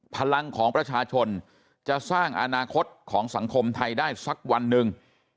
พลังของประชาชนจะสร้างอนาคตของสังคมไทยได้สักวันหนึ่ง